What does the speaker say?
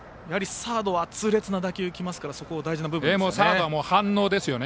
サードは痛烈な打球がきますからそこが大事な部分ですね。